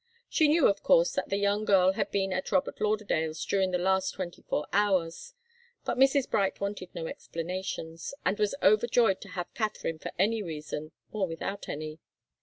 She knew, of course, that the young girl had been at Robert Lauderdale's during the last twenty four hours. But Mrs. Bright wanted no explanations, and was overjoyed to have Katharine for any reason, or without any.